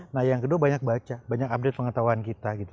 nah yang kedua banyak baca banyak update pengetahuan kita gitu